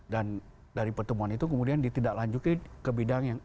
dan dari pertemuan itu kemudian ditidaklanjuti ke bidang yang